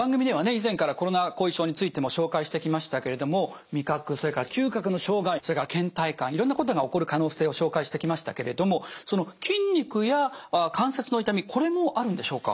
以前からコロナ後遺症についても紹介してきましたけれども味覚それから嗅覚の障害それからけん怠感いろんなことが起こる可能性を紹介してきましたけれども筋肉や関節の痛みこれもあるんでしょうか？